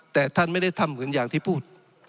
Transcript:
แต่ท่านไม่ได้ทำเหมือนอย่างที่พูด